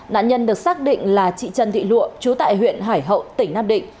nạn nhân được xác định là chị trân thị lụa trú tại huyện hải hậu tỉnh nam định